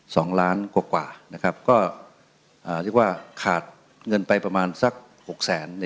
สองล้านกว่ากว่านะครับก็อ่าเรียกว่าขาดเงินไปประมาณสักหกแสน